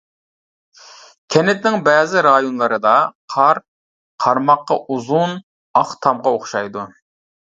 كەنتنىڭ بەزى رايونلىرىدا قار قارىماققا ئۇزۇن ئاق تامغا ئوخشايدۇ.